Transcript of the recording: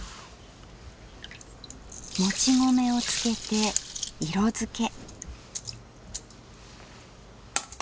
もち米をつけて色付け。